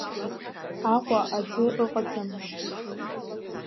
Аҟәа аӡы ыҟаӡам.